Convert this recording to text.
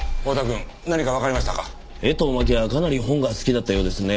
江藤真紀はかなり本が好きだったようですね。